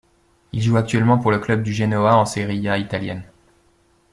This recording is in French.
Il joue actuellement pour le club du Genoa en Serie A italienne.